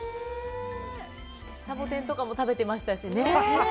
サボテンとかも食べてましたしね。